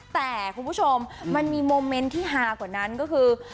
แต่คุณผู้ชมมันมีโมเมนต์ที่ฮากว่านั้นก็คือ